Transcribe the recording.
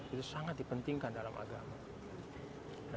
itu sangat dipentingkan dalam agama